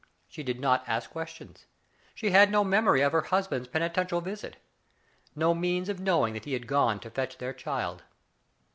She did not ask questions. She had no memory of her husband's penitential visit ; no means of knowing that he had gone to fetch their child.